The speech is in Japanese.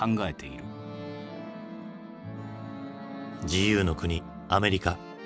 自由の国アメリカ。